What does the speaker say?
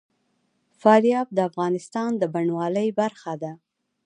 فاریاب د افغانستان د بڼوالۍ برخه ده.